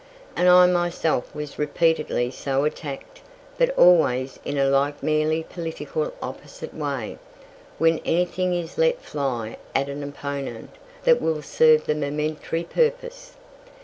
And I myself was repeatedly so attacked, but always in a like merely political opposition way, when anything is let fly at an opponent that will serve the momentary purpose.